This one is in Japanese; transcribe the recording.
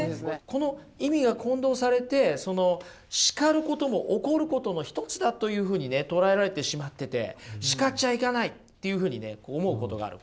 この意味が混同されてその叱ることも怒ることの１つだというふうにね捉えられてしまってて叱っちゃいけないというふうにね思うことがある。